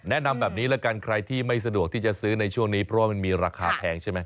แนะนำแบบนี้ละกันใครที่ไม่สะดวกที่จะซื้อในช่วงนี้เพราะว่ามันมีราคาแพงใช่ไหม